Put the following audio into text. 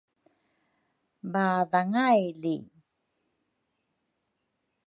baadhanga ili